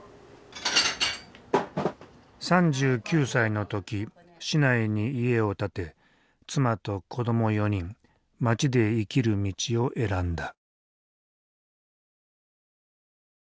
３９歳の時市内に家を建て妻と子ども４人町で生きる道を選んだ。